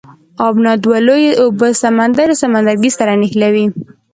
ابنا دوه لویې اوبه سمندر یا سمندرګی سره نښلوي.